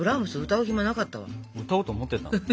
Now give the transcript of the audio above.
歌おうと思ってたの？